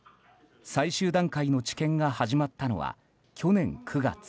最終段階の治験が始まったのは去年９月。